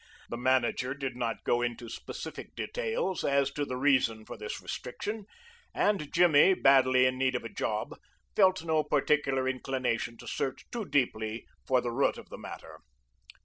The manager did not go into specific details as to the reason for this restriction, and Jimmy, badly in need of a job, felt no particular inclination to search too deeply for the root of the matter.